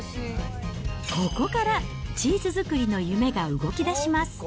ここからチーズ作りの夢が動きだします。